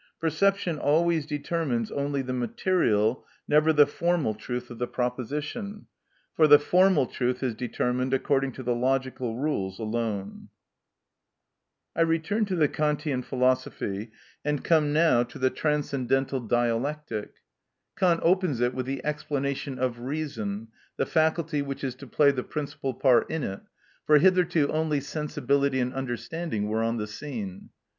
Perception always determines only the material, never the formal truth of the proposition, for the formal truth is determined according to the logical rules alone. ‐‐‐‐‐‐‐‐‐‐‐‐‐‐‐‐‐‐‐‐‐‐‐‐‐‐‐‐‐‐‐‐‐‐‐‐‐ I return to the Kantian philosophy, and come now to the Transcendental Dialectic. Kant opens it with the explanation of reason, the faculty which is to play the principal part in it, for hitherto only sensibility and understanding were on the scene.